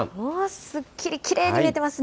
すっきり、きれいに見えてますね。